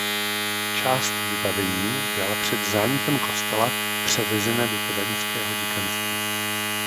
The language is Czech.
Část vybavení byla před zánikem kostela převezena do kadaňského děkanství.